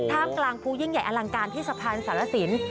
ท่ามกลางภูยิ่งใหญ่อลังการที่สะพานสารสิน